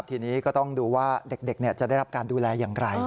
ทีนี้ก็ต้องดูว่าเด็กจะได้รับการดูแลอย่างไร